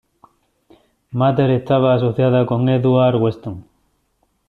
Mather estaba asociada con Edward Weston.